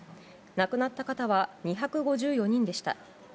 亡くなった方は２５４人でした。